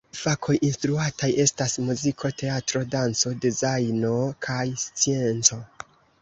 Fakoj instruataj estas muziko, teatro, danco, dezajno kaj scienco.